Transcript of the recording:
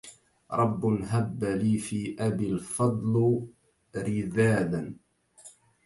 رب هب لي في أبي الفضل رذاذ